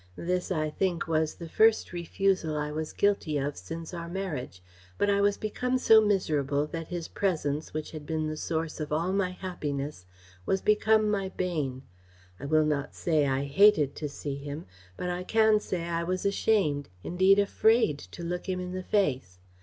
This, I think, was the first refusal I was guilty of since our marriage; but I was become so miserable, that his presence, which had been the source of all my happiness, was become my bane. I will not say I hated to see him, but I can say I was ashamed, indeed afraid, to look him in the face.